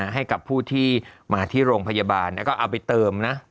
ให้กับผู้ที่มาที่โรงพยาบาลแล้วก็เอาไปเติมนะ